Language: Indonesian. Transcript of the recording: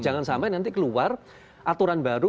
jangan sampai nanti keluar aturan baru